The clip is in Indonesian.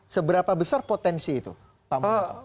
seberapa besar potensi itu pak muhad